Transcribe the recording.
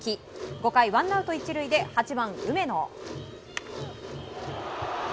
５回ワンアウト１塁で８番、梅野。